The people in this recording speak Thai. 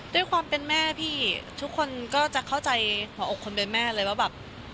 ด้วยความเป็นแม่พี่ทุกคนก็จะเข้าใจหัวอกคนเป็นแม่เลยว่าแบบ